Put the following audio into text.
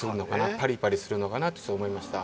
パリパリするのかなってそう思いました